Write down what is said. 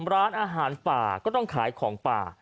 ร้านอาหารป่าก็ต้องขายของป่า